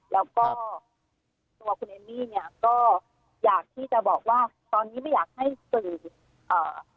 แล้วก็ตัวคุณเอมมี่เนี้ยก็อยากที่จะบอกว่าตอนนี้ไม่อยากให้สื่ออ่า